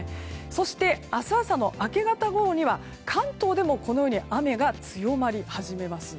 そして、明日朝の明け方ごろには関東でもこのように雨が強まり始めます。